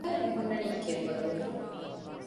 އަހަރެން މިހުންނަނީ ކެތްމަދުވެފަ